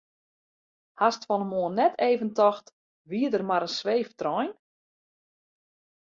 Hast fan 'e moarn net even tocht wie der mar in sweeftrein?